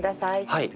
はい。